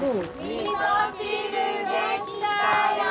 みそ汁出来たよ！